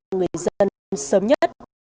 người dân sớm nhất